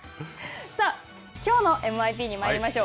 さあ、きょうのＭＩＰにまいりましょう。